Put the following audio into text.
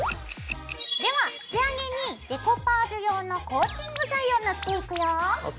では仕上げにデコパージュ用のコーティング剤を塗っていくよ。ＯＫ。